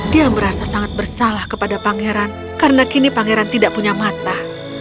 dia merasa sangat bersalah kepada pangeran karena kini pangeran tidak punya mata